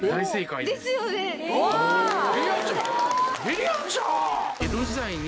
りりあんちゃん！